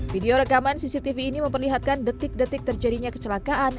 video rekaman cctv ini memperlihatkan detik detik terjadinya kecelakaan